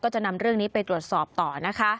จะนำเรื่องนี้ไปตรวจสอบต่อนะคะ